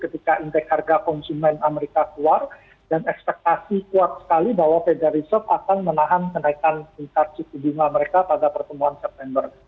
ketika indeks harga konsumen amerika keluar dan ekspektasi kuat sekali bahwa federal reserve akan menahan kenaikan tingkat suku bunga mereka pada pertemuan september